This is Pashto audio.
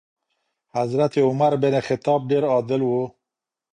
حضرت عمر بن خطاب ډېر عادل و.